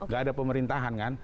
gak ada pemerintahan kan